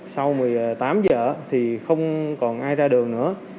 sau một mươi tám giờ thì không còn ai ra đường nữa